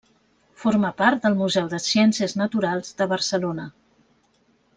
Forma part del Museu de Ciències Naturals de Barcelona.